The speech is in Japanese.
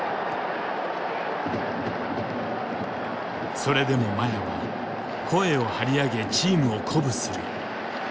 それでも麻也は声を張り上げチームを鼓舞する。